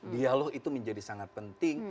dialog itu menjadi sangat penting